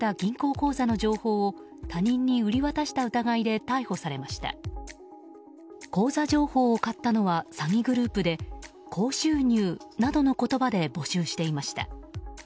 口座情報を買ったのは詐欺グループで高収入などの言葉で募集していました。